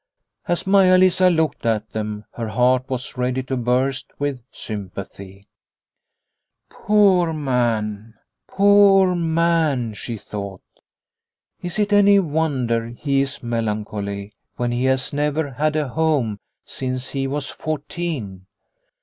As Maia Lisa looked at them, her heart was ready to burst with sympathy. " Poor man, poor man," she thought. " Is it any wonder he is melancholy, when he has never had a home since he was fourteen